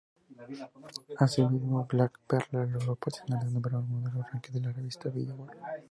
Asimismo, "Black Velvet" logró posicionarse número uno en el ranking de la revista Billboard.